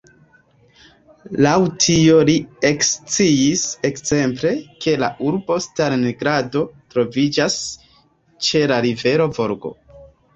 Laŭ tio, li eksciis, ekzemple, ke “la urbo Stalingrado troviĝas ĉe la rivero Volgo.